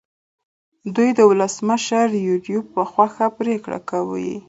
دوی د ولسمشر یوریب په خوښه پرېکړې کولې.